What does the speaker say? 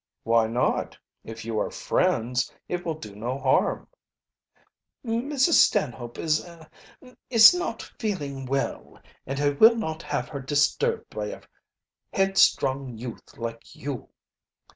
"Why not? If you are friends, it will do no harm." "Mrs. Stanhope is er is not feeling well, and I will not have her disturbed by a headstrong youth like you."